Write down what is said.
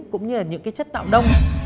cũng như là những chất tạo đông